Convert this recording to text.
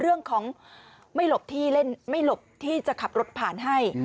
เรื่องของไม่หลบที่เล่นไม่หลบที่จะขับรถผ่านให้